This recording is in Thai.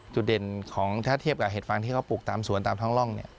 จุดเด่นของถ้าเทียบกับเห็ดฟางที่เขาปลูกตามสวนตามท้องร่อง